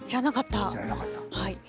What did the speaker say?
知らなかった？